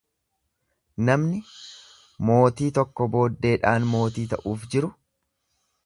namni, mootii tokko booddeedhaan mootii ta'uuf jiru,